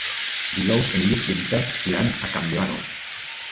Dijous en Lluc i en Pep iran a Campdevànol.